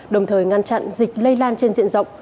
đồng thời ngăn chặn dịch lây lan trên diện rộng